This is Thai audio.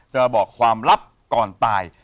จะบอกความลับก่อนตาย